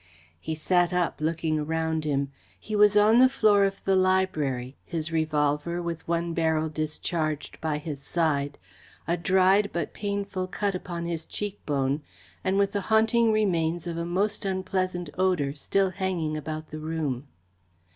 He sat up, looking around him. He was on the floor of the library, his revolver, with one barrel discharged, by his side, a dried but painful cut upon his cheek bone, and with the haunting remains of a most unpleasant odour still hanging about the room.